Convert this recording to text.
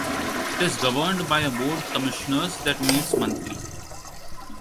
It is governed by a Board Commissioners that meets monthly.